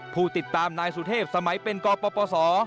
ผู้ติดตามนายสุเทพสมัยเป็นกปศ